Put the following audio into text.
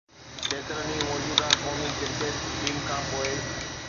ڪيترن ئي موجوده قومي ڪرڪيٽ ٽيم کان پوء